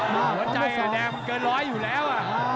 หัวใจเสือแดงมันเกินร้อยอยู่แล้ว